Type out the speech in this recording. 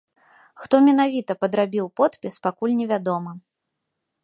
Хто менавіта падрабіў подпіс, пакуль не вядома.